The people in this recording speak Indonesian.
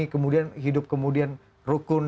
kemudian hidup kemudian rukun